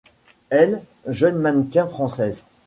Elle, jeune mannequin française.